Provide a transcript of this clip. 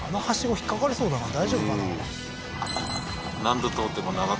引っかかりそうだな大丈夫かな？